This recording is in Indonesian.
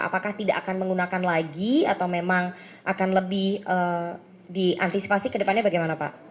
apakah tidak akan menggunakan lagi atau memang akan lebih diantisipasi ke depannya bagaimana pak